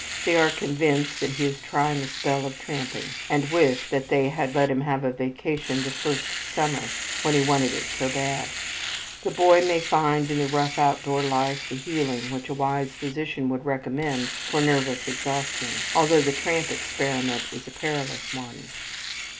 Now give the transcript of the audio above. They are convinced that "he is trying a spell of tramping" and wish that they "had let him have a vacation the first summer when he wanted it so bad." The boy may find in the rough outdoor life the healing which a wise physician would recommend for nervous exhaustion, although the tramp experiment is a perilous one.